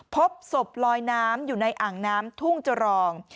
พบศพลอยน้ำอยู่ในอ่างน้ำทุ่งจรอง